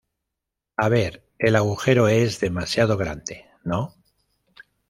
a ver, el agujero es demasiado grande, ¿ no?